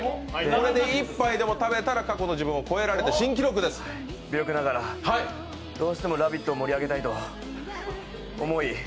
だけど１杯でも食べたら、過去の自分を超え微力ながらどうしても「ラヴィット！」を盛り上げたいと思い